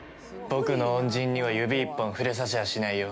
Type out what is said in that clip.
◆僕の恩人には指一本触れさせやしないよ。